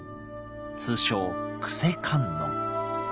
通称救世観音。